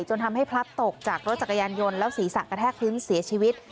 จนทำให้พลัดตกจากรถจักรยานยนต์แล้วศีรษะกระแทกพื้นเสียชีวิต